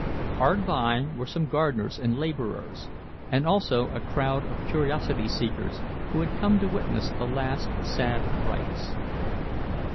Hard by were some gardeners and labourers, and also a crowd of curiosity seekers who had come to witness the last sad rites.